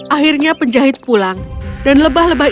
akhirnya penjahit pulang dan lebah lebah